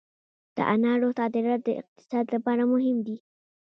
د انارو صادرات د اقتصاد لپاره مهم دي